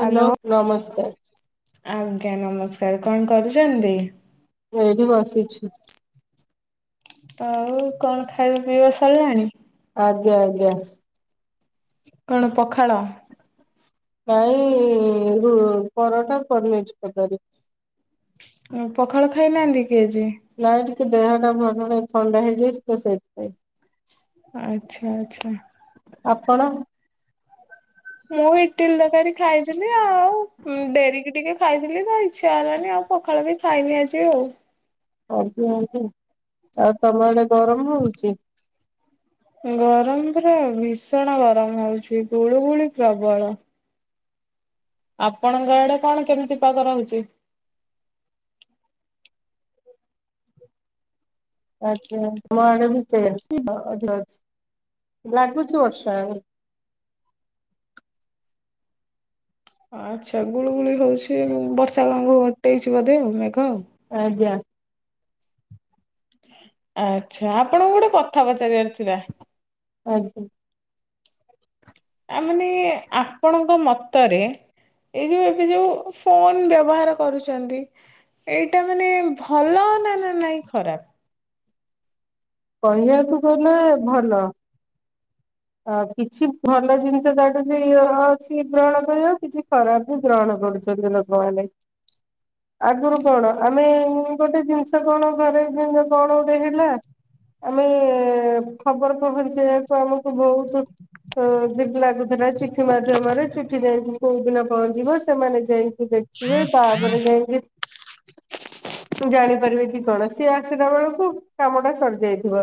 Hello ନମସ୍କାର। ଆଜ୍ଞା ନମସ୍କାର କଣ କରୁଛନ୍ତି? ମୁଁ ଏଇଠି ବସିଛି। ଆଉ କଣ ଖାଇବା ପିଇବା ସରିଲାଣି? ଆଜ୍ଞା ଆଜ୍ଞା। କଣ ପଖାଳ? ନାଇ ରୁ ପରଟା ପନିର୍ ଛରକାରୀ। ଆଉ ପଖାଳ ଖାଇନାହାନ୍ତି କି ଆଜି? ନାଇଁ ଟିକେ ଦେହଟା ଭଲ ନାହିଁ ଥଣ୍ଡା ହେଇଯାଇଛି ତ ସେଇଥିପାଇଁ। ଆଚ୍ଛା ଆଚ୍ଛା। ଆପଣ? ମୁଁ ଇଟିଲି ତରକାରୀ ଖାଇଥିଲି ଆଉ ଡେରିକି ଟିକେ ଖାଇଥିଲି ତ ଇଚ୍ଛା ହେଲାନି ଆଉ ପଖାଳ ବି ଖାଇନି ଆଜି ଆଉ। ଆଜ୍ଞା ଆଜ୍ଞା ଆଉ ତମ ଆଡ଼େ ଗରମ ହଉଚି? ଗରମ ପୁରା ଭୀଷଣ ଗରମ ହଉଛି ଗୁଳୁ ଗୁଳି ପ୍ରବଳ। ଆପଣଙ୍କ ଆଡ଼େ କଣ କେମିତି ପାଗ ରହୁଚି? ଆଜ୍ଞା ଆମ ଆଡ଼େ ବି ସେଇୟା [inaudible] ଅଛି ଲାଗୁଛି ବର୍ଷା ଆଚ୍ଛା ଗୁଳୁ ଗୁଳି ହଉଛି ବର୍ଷା [unintelligible] ଘୋଟେଇଛି ବୋଧେ ମେଘ ଆଉ। ଆଜ୍ଞା। ଆଚ୍ଛା ଆପଣଙ୍କୁ ଗୋଟେ କଥା ପଚାରିବାର ଥିଲା? ଆଜ୍ଞା। ଆ ମାନେ ଆପଣଙ୍କ ମତରେ ଏଇ ଯୋଉ ଏବେ ଯୋଉ ଫୋନ ବ୍ୟବହାର କରୁଛନ୍ତି ଏଇଟା ମାନେ ଭଲ ନା ନା ନାଇଁ ଖରାପ? କହିବାକୁ ଗଲେ ଭଲ ଆ କିଛି ଭଲ ଜିନିଷ ଅଛି [unintelligible] ଗ୍ରହଣ କରିବାକୁ କିଛି ଖରାପ କୁ ଗ୍ରହଣ କରୁଛନ୍ତି ଲୋକ ମାନେ। [inaudible] ଆଗରୁ କଣ ଆମେ ଗୋଟେ ଜିନିଷ କଣ ଘରେ [unintelligible] କଣ ଗୋଟେ ହେଲା ଆମେ ଖବର ପହଞ୍ଚେଇବାକୁ ଆମୁ ବହୁତ [unintelligible] ଲାଗୁଥିଲା ଚିଠି ମାଧ୍ୟମରେ ଏଠି ଯାଇକି କୋଉଦିନ ପହଞ୍ଚିବ ସେମାନେ ଯାଇକି ଦେଖିବେ ତାପରେ ଯାଇକି [inaudible] ଜାଣିପାରିବେ କି କଣ ସିଏ ଆସିଲା ବେଳକୁ କାମ ଟା ସରିଯାଇଥିବ।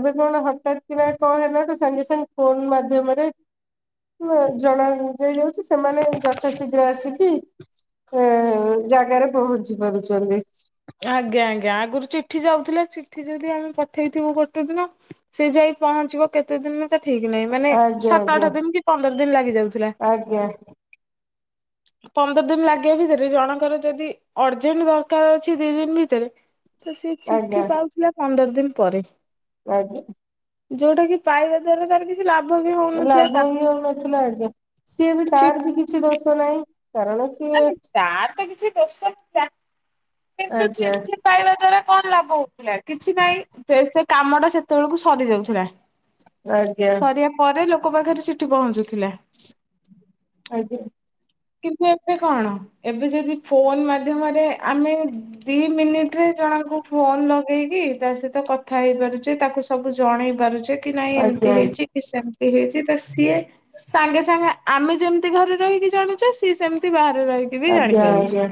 ଏବେ କଣ ହଟାତ୍ କି ନା କଣ ହେଲା ତ ସାଙ୍ଗେ ସାଙ୍ଗେ ଫୋନ୍ ମାଧ୍ୟମରେ ଜଣ ଦିଆ ଯାଉଛି ସେମାନେ ଯଥା ଶୀଘ୍ର ଆସିକି ଏ ଜାଗାରେ ପହଞ୍ଚି ପାରୁଛନ୍ତି। ଆଜ୍ଞା ଆଜ୍ଞା ଆଗରୁ ଚିଠି ଯାଉଥିଲେ ଚିଠି ଯଦି ଆମେ ପଠେଇଥିବୁ ଗୋଟେ ଦିନ ସେ ଯାଇ ପହଞ୍ଚିବ କେତେ ଦିନରେ ତା ଠିକ୍ ନାହିଁ ମାନେ ଆଜ୍ଞା ସାତ ଆଜ୍ଞା। ଆଠ ଦିନ କି ପନ୍ଦର ଦିନ ଲାଗି ଯାଉଥିଲା। ଆଜ୍ଞା ପନ୍ଦର ଦିନ ଲଗିବା ଭିତରେ ଜଣଙ୍କର ଯଦି ଅର୍ଜେଣ୍ଟ ଦରକାର ଅଛି ଦି ଦିନ ଭିତେରେ ତ ସେ ଆଜ୍ଞା ଚିଠି ପାଉଥିଲା ପନ୍ଦର ଦିନ ପରେ ଆଜ୍ଞା। ଯୋଉଟା କି ପାଇବା ଦ୍ଵାରା ତାର କି ଲାଭ ବି ହ ଲାଭ ବି ହୋଉନଥୁଲା ଆଜ୍ଞା ସିଏ ବି ତାର ବି କି କିଛି ଦୋଷ ନାହିଁ କାରଣ ସିଏ ମାନେ ତାର ତ କିଛି ଦୋଷ ନଥିଲା କିନ୍ତୁ ଆଜ୍ଞା ଚିଠି ପାଇବା ଦ୍ଵାରା କଣ ଲାଭ ହୋଉଥୁଲା କିଛି ନାଇଁ ସେ କାମଟା ସେତେବେଳକୁ ସରି ଯାଉଥୁଲା। ଆଜ୍ଞା ସରିବା ପରେ ଲୋକ ପାଖରେ ଚୀଠି ପହଞ୍ଚୁଥୁଲା। ଆଜ୍ଞା। କିନ୍ତୁ ଏବେ କଣ ଏବେ ଯଦି ଫୋନ ମାଧ୍ୟମରେ ଆମେ ଦିଇ ମିନିଟରେ ଜଣଙ୍କୁ ଫୋନ ଲଗେଇକି ତା ସହିତ କଥା ହେଇ ପାରୁଚେ ତାକୁ ସବୁ ଜଣେଇ ପାରୁଚେ କି ନାଇଁ ଏମତି ଆଜ୍ଞା ହେଇଚି ସେମତି ହେଇଚି ତ ସିଏ ସାଙ୍ଗେ ସାଙ୍ଗେ ଆମେ ଯେମିତି ଘରେ ରହିକି ଜାଣୁ ଚେ ସିଏ ସେମତି ବାହାରେ ରହିକି ବି ଆଜ୍ଞା ଜାଣିପାରୁଚି। ଆଜ୍ଞା।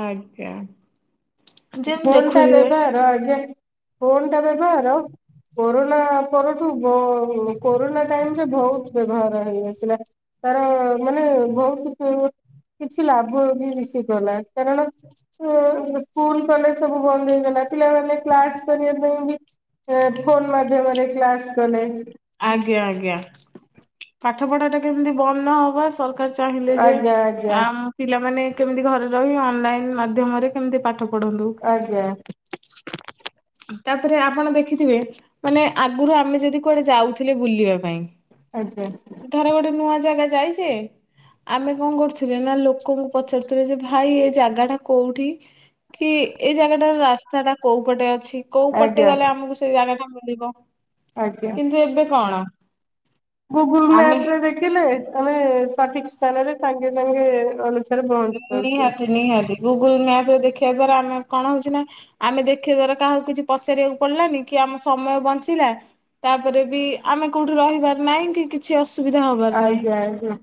ଆଜ୍ଞା। ଯେମିତି ଫୋନଟା ଦେଖୁଥିବେ ବ୍ୟବହାର ଆଜ୍ଞା ଫୋନଟା ବ୍ୟବହାର କୋରୋନା ପରଠୁ ବ କୋରୋନା ଟାଇମରେ ଭୋଉତ ବ୍ୟବହାର ହେଇ ଆସିଲା। ତାର ମାନେ ବୋହୁତ କୁ କିଛି ଲାଭ ବି ମିଶିଗଲା। କାରଣ ମୁଁ ମୁଁସ୍ ସ୍କୁଲ କଲେଜ ସବୁ ବନ୍ଦ ହେଇଗଲା ପିଲାମାନେ କ୍ଲାସ କରିବା ପାଇଁ ବି ଏ ଫୋନ ମା ଧ୍ୟମରେ କ୍ଲାସ କଲେ। ଆଜ୍ଞା ଆଜ୍ଞା ପାଠ ପଢାଟା କେମତି ବନ୍ଦ ନହବା ସରକା କାର ଚାହିଁଲେ ଯେ ଆଜ୍ଞା ଆଜ୍ଞା ଆମ୍ ପିଲାମାନେ କେମିତି ଘରେ ରହି ଅନଲାଇନ ମାଧ୍ୟମରେ କେମତି ପାଠ ପଢନ୍ତୁ। ଆଜ୍ଞା। ତାପରେ ଆପଣ ଦେଖିଥିବେ ମାନେ ଆଗୁରୁ ଆମେ ଯଦି କୁଆଡେ ଯାଉଥୁଲେ ବୁଲିବା ପାଇଁ ଆଜ୍ଞା। ଧର ଗୋଟେ ନୂଆ ଜାଗା ଯାଇଚି ଆମେ କଣ କରୁଥୁଲେ ନା ଲୋକଙ୍କୁ ପଚାରୁଥୁଲେ ଯେ ଭାଇ ଏ ଜାଗାଟା କୋଉଠି? କି ଏଇ ଜାଗାଟାର ରାସ୍ତାଟା କୋଉ ପଟେ ଅଛି କୋଉ ପଟେ ଆଜ୍ଞା ଗଲେ ଆମକୁ ସେଇ ଜାଗାଟା ମିଳିବ। ଆଜ୍ଞା। କିନ୍ତୁ ଏବେ କଣ? ଗୁଗୁଲ ଆମେ ମ୍ୟାପରେ ଦେଖିଲେ ଆମେ ସଠିକ ସ୍ଥାନରେ ସାଙ୍ଗେ ସାଙ୍ଗେ ଅନଇନ୍ ନିହାତି ନିହାତି ଗୁଗୁଲ ମ୍ୟାପରେ ଦେଖିବା ଦ୍ଵାରା ଆମେ କଣ ହୋଉଚି ନା ଆମେ ଦେଖିବା ଦ୍ୱାରା କାହାକୁ କିଛି ପଚାରିବାକୁ ପଡିଲାନି କି ଆମ ସମୟ ବଞ୍ଚିଲା। ତାପରେ ବି ଆମେ କୋଉଠି ରହିବାର ନାହିଁ କି କିଛି ଅସୁବିଧା ହବାର ନାହିଁ। ଆ ହୁଁ।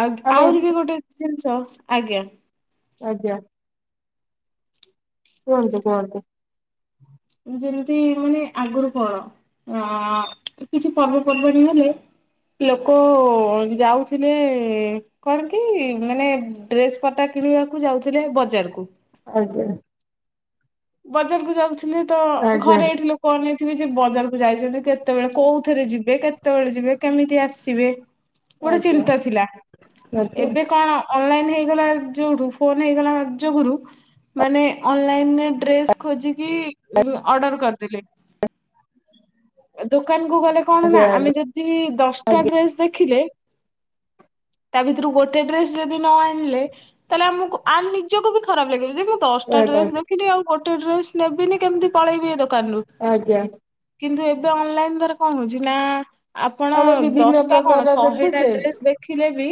ଆଉତ୍ ଆମେ ଆହୁରି ବି ଗୋଟେ ଜିନଷ ଆଜ୍ଞା ଆଜ୍ଞା। କୁହନ୍ତୁ କୁହନ୍ତୁ। ଯେମତି ମାନେ ଆଗୁରୁ କଣ ଅଁ କିଛି ପର୍ବପର୍ବାଣୀ ହେଲେ ଲୋକ ଯାଉଥୁଲେ କଣ କି ମାନେ ଡ୍ରେସ ପଟା କିଣିବାକୁ ଯାଉଥୁଲେ ବଜାରକୁ ଆଜ୍ଞା। ବଜାରକୁ ଯାଉଥୁଲେ ତ ଆଜ୍ଞା ଘରେ ଏଠି ଲୋ କ ଅନେଇଥିବେ ଯେ ବଜାରକୁ ଯାଇଛନ୍ତି କେତେବେଳେ କୋଉଥିରେ ଯିବେ କେତେବେଳେ ଯିବେ କେମିତି ଆସିବେ। ଗୋଟେ ଆଜ୍ଞା ଚିନ୍ତା ଥିଲା ଆଜ୍ଞା ଏବେ କଣ ଅନଲାଇନ ହେଇଗଲା ଯୋଉଠୁ ଫୋନ୍ ହେଇଗଲା ଯୋଗୁରୁୁ ମାନେ ଅନଲାଇନ ରେ ଡ୍ରେସ୍ ଖୋଜିକି ଉଁ ଅର୍ଡ଼ର କରିଦେଲେ। ଦୋକାନକୁ ଗଲେ ଆଜ୍ଞା କଣନା ଆମେ ଯଦି ଦଶଟା ଆଜ୍ଞା ଡ୍ରେସ୍ ଦେଖିଲେ। ତା ଭିତରୁ ଗୋଟେ ଡ୍ରେସ୍ ଯଦି ନଆଣିଲେ ତାହେଲେ ଆମକୁ ଆନ ନିଜକୁବି ଖରାପ୍ ଲାଗିବ ଯେ ଦଶଟା ଆଜ୍ଞା ଡ୍ରେସ୍ ଦେଖିଲି ଆଉ ଗୋଟେ ଡ୍ରେସ୍ ନେବିନି କେମିତି ପଳେଇବି ଏଦୋକାନରୁୁ। ଆଜ୍ଞା। କିନ୍ତୁ ଏବେ ଅନଲାଇନ୍ ଦ୍ଵାରା କଣ ହଉଚି ନା। ଆପଣ ଆମେ ବିଭିନ୍ନ ଦଶଟା କଣ ପ୍ରକାରର ଶହେଟା ଡ୍ରେସ୍ ଦେଖିଲେ ବି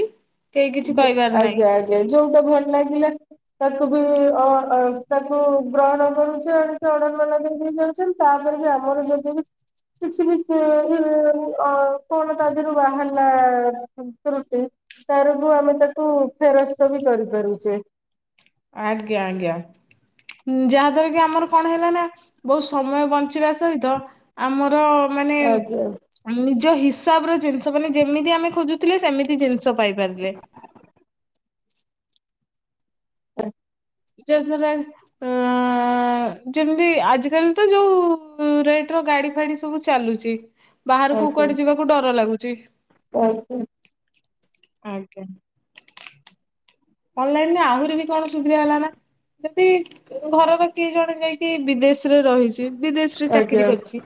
କେହି କିଛି ଯ କହିବାର ନାହିଁ ଆଜ୍ଞା ଆଜ୍ଞା ଯୋଉଟା ଭଲ ଲାଗିଲା ତାକୁ ବି ଅ ତାକୁ ଗ୍ରହଣ କରୁଛେ ଆଣିକ ଅର୍ଡର ବାଲା ଦେଇଦେଇ ଯାଉଛନ୍ତି। ତାପରେବି ଆମର ଯଦିବି କିଛିବି ଇ କଣ ତା ଦେହରୁ ବାହାରଲା ରୁଟି ତାରବୁ ଆମେ ତାକୁ ଫେରସ୍ତବି କରିପାରୁଛେ। ଆଜ୍ଞା ଆଜ୍ଞ। ଉଁ ଯାହା ଦ୍ଵାରାକି ଆମର କଣ ହେଲାନା ବହୁତ୍ ସମୟ ବଞ୍ଚିବା ସହିତ ଆମର ମାନେ ଆଜ୍ଞା ନିଜ ହିସାବରେ ଜିନିଷ ମାନେ ଯେମିତି ଆମେ ଖୋଜୁଥିଲେ ସେମିତି ଜିନିଷ ପାଇପାରିଲେ। [unintelligible] ଯାହା ଦ୍ୱାରା ଅ ଆ ଯେମିତି ଆଜିକାଲିତ ଯୋଉ ରେଟର ଗାଡ଼ି ଫାଡ଼ି ସବୁ ଚାଲୁଚି। ବାହାରକୁ ଆଜ୍ଞା କୁଆଡ଼େ ଯିବାକୁ ଡର ଲାଗୁଚି। [unintelligible] ଆଜ୍ଞା। ଅନଲାଇନରେ ଆହୁରିବି କଣ ସୁବିଧା ହେଲାନା ହେଟି ଘରବା କିଏ ଜଣେ ଯାଇକି ବିଦେଶରେ ରହିଚି ବିଦେଶରେ ଆଜ୍ଞା ଆଜ୍ଞା ଚାକିରୀ କରିଚି।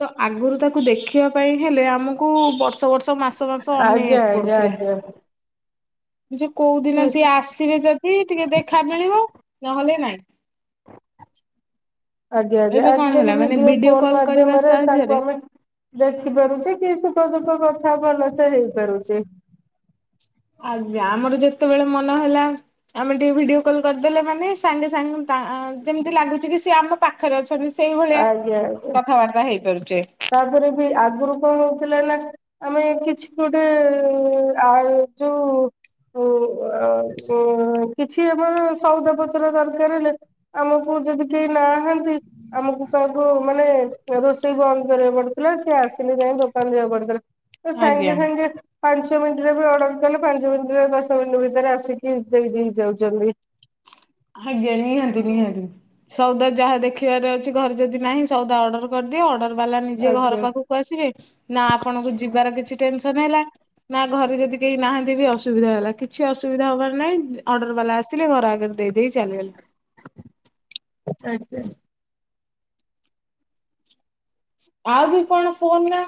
ତ ଆଗରୁ ତାକୁ ଦେଖିବା ପାଇଁ ହେଲେ ଆମକୁ ବର୍ଷ ବର୍ଷ ମାସ ମାସ ଆଜ୍ଞା ଅନେଇବାକୁ ଆଜ୍ଞା ପଡ଼ୁଥିଲା ଆଜ୍ଞା ଇରେ ସି କୋଉଦିନ ସିଏ ଆସିବେ ଯଦି ଟିକେ ଦେଖା ମିଳିବ ନହେଲେ ନାଇଁ। ଆଜ୍ଞା ଏବେ କଣ ହେଲା ଆଜିକାଲି ମାନେ ଭିଡିଓ ଫୋନ୍ କଲ କରିବା ମାଧ୍ୟମରେ ତାଙ୍କୁ ସାହାଯ୍ୟରେ ଆମେ ଦେଖି ପାରୁଚି କି ସୁଖ ଦୁଖ କଥା ଭଲସେ ହେଇପାରୁଚେ। ଆଜ୍ଞା ଆମର ଯେତେବେଳେ ମନ ହେଲା ଆମେ ଟିକେ ଭିଡିଓ କଲ୍ କରିଦେଲେ ମାନେ ସାଙ୍ଗେ ସାଙ୍ଗେ ଯେମିତି ଲାଗୁଚିକି ସେ ଆମ ପାଖରେ ଅଛନ୍ତି ସେଇ ଭଳିଆ କଥାବାର୍ତ୍ତା ହେଇପାରୁଛେ। ତାପରେବି ଆଗରୁ କଣ ହଉଥିଲାନା ଆମେ କିଛି ଗୋଟେ ଆଉ ଯୋଉ ଓ ଉ ଅ କିଛି ଆମର ସଉଦାପତ୍ର ଦରକାର୍ ଲେ ଆମକୁ ଯଦି କେହି ନାହାନ୍ତି ଆମକୁ କାହାକୁ ମାନେ ରୋଷେଇ ବନ୍ଦ କରିବାକୁ ପଡ଼ୁଥିଲା ସେଆସିଲେ ଯାଇ ଦୋକାନ ଯିବାକୁ ପଡ଼ୁଥିଲା ତସାଙ୍ଗେ ଆଜ୍ଞା। ସାଙ୍ଗେ ପାଞ୍ଚ ମିନିଟରେବି ଅର୍ଡର କଲେ ପାଞ୍ଚ ମିନିଟରେ ଦଶ ମିନିଟ୍ ଭିତରେ ଆସିକି ଦେଇଦେଇ ଯାଉଚନ୍ତି। ଆଜ୍ଞା ନିହାତି ନିହାତି ସଉଦା ଯାହା ଦେଖିବାର ଅଛି ଘରେ ଯଦି ନାହିଁ ସଉଦା ଅର୍ଡର କରିଦିଅ ଅର୍ଡର ବାଲା ନିଜେ ଘର ଆଜ୍ଞା ପାଖକୁ ଆସିବେ ନା ଆପଣଙ୍କୁ ଯିବାର କିଛି ଟେନସନ୍ ହେଲା। ନା ଘରେ ଯଦି କେହି ନାହାନ୍ତିବି ଅସୁବିଧା ହେଲା କିଛି ଅସୁବିଧା ହବାର ନାହିଁ ଅର୍ଡର ବାଲା ଆସିଲେ ଘର ଆଗରେ ଦେଇ ଦେଇ ଚାଲିଗଲେ। ଆଜ୍ଞା। ଆଉ ବି କଣ ଫୋନ ନା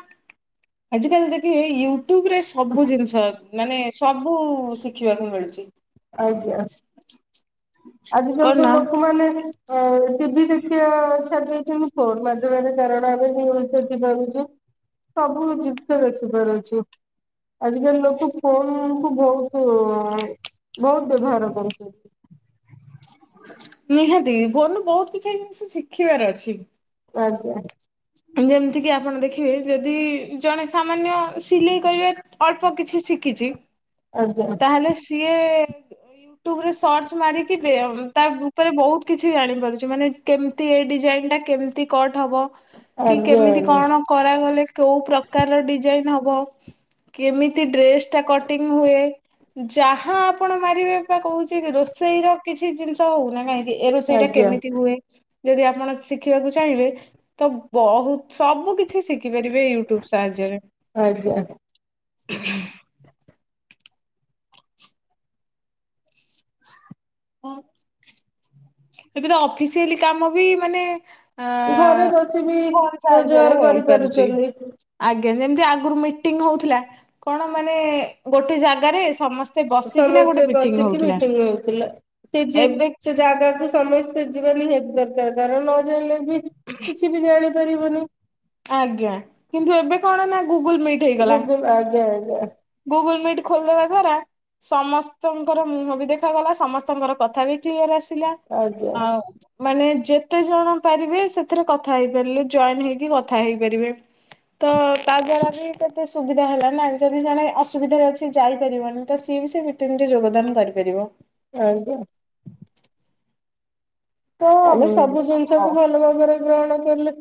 ଆଜିକାଲି ଦେଖି ୟୁ ୟୁଟୁବ ରେ ସବୁ ଜିନିଷ ମାନେ ସବୁ ଶିଖିବାକୁ ମିଳୁଛି। ଆଜ୍ଞା ଆଜିକାଲି କଣ ତ ନା ଲୋକମାନେ ଆ ଟିଭି ଦେଖିବା ଛାଡିଦେଇଛନ୍ତି ଫୋନ୍ ମାଧ୍ୟମରେ କାରଣ ଆମେ ନୂୟୁଜ ଦେଖି ପାରୁଛୁ। ସବୁ ଜିନିଷ ଦେଖିପାରୁଛୁ ଆଜିକାଲି ଲୋକ ଫୋନ କୁ ବହୁତ କୁ ବହୁତ ବ୍ୟବହାର କରୁଛନ୍ତି। ନିହାତି ଫୋନ ରୁ ବହୁତ କିଛି ଜିନିଷ ଶିଖିବାର ଅଛି। ଆଜ୍ଞା। ଯେମିତି କିି ଆପଣ ଦେଖିବେ ଯଦି ଜଣେ ସାମାନ୍ୟ ସିଲେଇ କରିବାକୁ ଅଳ୍ପ କିଛି ଶିଖିଛି ଆଜ୍ଞା ତାହେଲେ ସିଏ ୟୁଟୁବରେ ସର୍ଚ୍ଚ ମାରିକି ବେୟ ତା ଉପରେ ବହୁତ କିଛି ଜାଣିପାରୁଛି ମାନେ କେମିତି ଏ ଡିଜାଇନ ଟା କେମିତି କଟ ହବ କି ଆଜ୍ଞା କେମିତି ଆଜ୍ଞା କଣ କରାଗଲେ କୋଉ ପ୍ରକାର ଡିଜାଇନ ହବ କେମିତି ଡ୍ରେସ ଟା କଟିଙ୍ଗ ହୁଏ। ଯାହା ଆପଣ ମାରିବେ ବା କହୁଛି ରୋଷେଇ ର କିଛି ଜିନିଷ ହଉନା କାହିଁକି ଏ ରୋଷେଇ ଟା ଆଜ୍ଞା କେମିତି ହୁଏ ଯଦି ଆପଣ ଶିଖିବାକୁ ଚାହିଁବେ ତ ବହୁତ ସବୁ କିଛି ଶିଖି ପାରିବେ ୟୁଟୁବୁ ସାହାଯ୍ୟରେ। ଆଜ୍ଞା [unintelligible] ହଁ। ଏବେ ତ ଅଫିସିଆଲି କାମ ବି ମାନେ ଅ ଘରେ ବସି ବି ଫୋନ ସାହାଯ୍ୟରେ ରୋଜଗାର ହେଇପାରୁଛି କରିପାରୁଛନ୍ତି। ଆଜ୍ଞା ଯେମିତି ଆଗରୁ ମିଟିଂ ହଉଥିଲା କଣ ମାନେ ଗୋଟେ ଜାଗାରେ ସମସ୍ତେ ବସିକିନା ସମସ୍ତେ ଗୋଟେ ମିଟିଂ ବସିକି ହଉଥିଲା ହଉଥିଲା ସେ ଯେ ଏବେ ସେ ଜାଗାକୁ ସମସ୍ତେ ଯିବା ନିହାତି ଦରକାର କାରଣ ନ ଜାଲେ ବି କିଛି ବି ଜାଣିପାରିବନି। ଆଜ୍ଞା କିନ୍ତୁ ଏବେ କଣ ନା ଗୁଗୁଲ ମିଟ୍। [inaudible] ଆଜ୍ଞା ଆଜ୍ଞା। ଗୁଗୁଳି ମିଟ ଖୋଲିଦେବା ଦ୍ୱାରା। ସମସ୍ତଙ୍କର ମୁହଁ ବି ଦେଖାଗଲା ସମସ୍ତଙ୍କର କଥା ବି କ୍ଲିୟର ଆସିଲା। ଆଜ୍ଞା ଆଉ ମାନେ ଯେତେ ଜଣ ପାରିବେ ସେଥିରେ କଥା ହେଇପାରିଲେ ଜଏନ ହେଇକି କଥା ହେଇପାରିବେ। ତ ତା ଦ୍ଵାରା ବି କେତେ ସୁବିଧା ହେଲା ନାହିଁ ଯଦି ଜଣେ ଅସୁବିଧାରେ ଅଛି ଯାଇପାରିବନି ତ ସିଏ ବି ସେ ମିଟିଙ୍ଗିରେ ଯୋଗଦାନ କରିପାରିବ। ଆଜ୍ଞା। ତ ଆମେ ସବୁ ଜିନିଷ ଅ କୁ ଭଲ ଭାବରେ ଗ୍ରହଣ କଲେ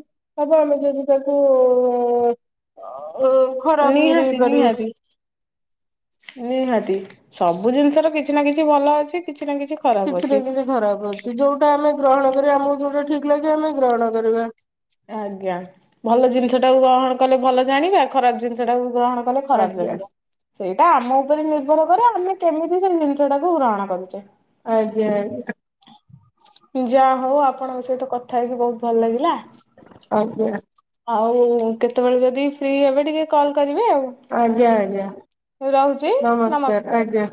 ହବ ଆମେ ଯଦି ତାକୁ ଖରା ପିରି ନିହାତି କରି ନିହାତି ନିହାତି ସବୁ ଜିନିଷର କିଛି ନା କିଛି ଭଲ ଅଛି। କିଛି ନା ଖରାପ କିଛି ନା ଅଛି। କିଛି ଖରାପ ଅଛି ଯୋଉଟା ଆମେ ଗ୍ରହଣ କରିବା ଆମକୁ ଯୋଉଟା ଠିକ ଲାଗେ ଆମେ ଗ୍ରହଣ କରିବା। ଆଜ୍ଞା ଭଲ ଜିନିଷ ଟାକୁ ଗ୍ରହଣ କଲେ ଭଲ ଜାଣିବା ଖରାପ ଜିନିଷ ଟାକୁ ଗ୍ରହଣ ଖରାପ ଆଜ୍ଞା ଜାନିବ। ସେଇଟା ଆମ ଉପରେ ନିର୍ଭର କରେ ଆମେ କେମିତି ସେ ଜିନିଷଟାକୁ ଗ୍ରହଣ କରୁଛେ। ଆଜ୍ଞା। ଯା ହଉ ଆପଣଙ୍କ ସହିତ କଥା ହେଇକି ବହୁତ ଭଲ ଲାଗିଲା। ଆଜ୍ଞା। ଆଉ କେତେବେଳେ ଯଦି ଫ୍ରି ହେବେ, ଟିକେ କଲ୍ କରିବେ ଆଉ। ଆଜ୍ଞା ଆଜ୍ଞା ନମସ୍କାର ଆଜ୍ଞା।